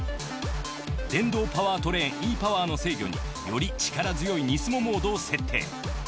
電動パワートレーンｅパワーの制御により力強いＮＩＳＭＯモードを設定。